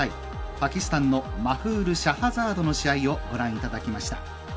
パキスタンのマフール・シャハザードの試合をご覧いただきました。